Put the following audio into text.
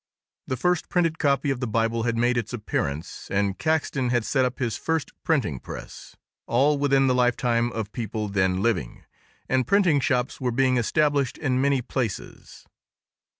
The first printed copy of the Bible had made its appearance and Caxton had set up his first printing press—all within the lifetime of people then living—and printing shops were being established in many places.